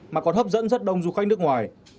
mà còn hấp dẫn rất đông du khách nước ngoài